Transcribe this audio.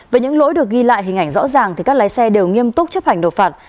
với những lỗi được ghi lại hình ảnh rõ ràng thì các lái xe đều nghiêm túc chấp hành đột phạt